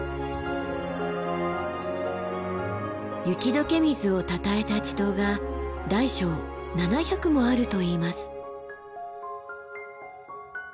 雪解け水をたたえた池塘が大小７００もあるといいます。